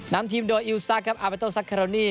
นำทีมโดยอิลซักครับอาร์เวทเตอร์ซักเคอร์โรนี่